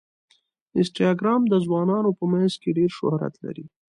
انسټاګرام د ځوانانو په منځ کې ډېر شهرت لري.